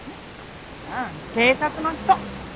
ああ警察の人。